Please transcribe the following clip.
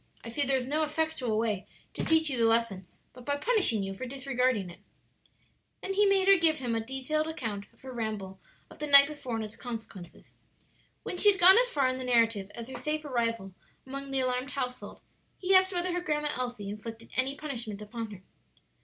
I see there is no effectual way to teach you the lesson but by punishing you for disregarding it." Then he made her give him a detailed account of her ramble of the night before and its consequences. When she had gone as far in the narrative as her safe arrival among the alarmed household, he asked whether her Grandma Elsie inflicted any punishment upon her.